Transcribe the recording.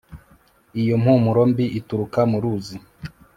Iyo mpumuro mbi ituruka mu ruzi